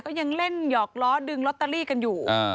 ก็ยังเล่นหยอกล้อดึงลอตเตอรี่กันอยู่